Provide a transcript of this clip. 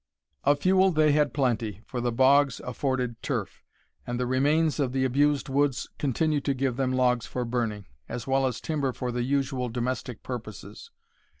Of fuel they had plenty, for the bogs afforded turf; and the remains of the abused woods continued to give them logs for burning, as well as timber for the usual domestic purposes.